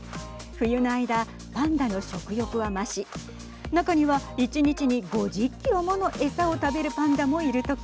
冬の間、パンダの食欲は増し中には１日に５０キロもの餌を食べるパンダもいるとか。